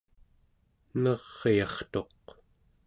neryartuq